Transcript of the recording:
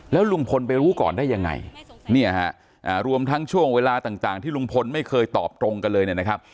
แล้วลุงพลไปรู้ก่อนได้ยังไงเนี่ยฮะรวมทั้งช่วงเวลาต่างที่ลุงพลไม่เคยตอบตรงกันเลยเนี่ยนะครับ